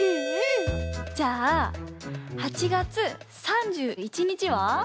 じゃあ８月３１日は？